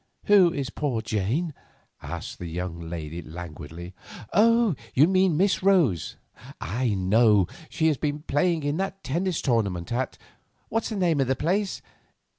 "Who is poor Jane?" asked that young lady languidly. "Oh! you mean Miss Rose. I know, she has been playing in that tennis tournament at—what's the name of the place?